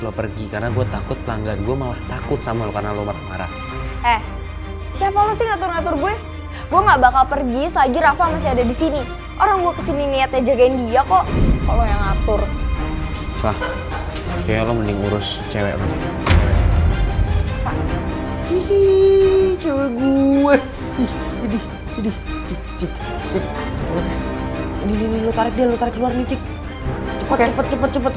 lo tersinggung gara gara gue ngomong kayak gitu kemaren